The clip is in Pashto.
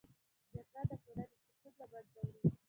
جګړه د ټولنې سکون له منځه وړي